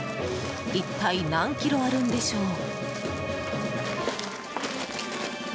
一体何キロあるんでしょう。